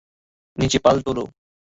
নিচে পাল তোলো!